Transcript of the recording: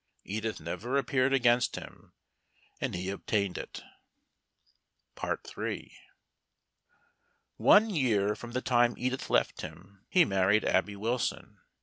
Edith never appeared against him, and he obtained it. III. One year from the time Edith left him, he married Abby Wilson.